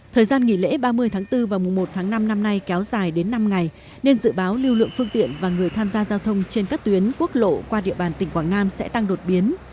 thời gian nghỉ lễ ba mươi tháng bốn và mùa một tháng năm năm nay kéo dài đến năm ngày nên dự báo lưu lượng phương tiện và người tham gia giao thông trên các tuyến quốc lộ qua địa bàn tỉnh quảng nam sẽ tăng đột biến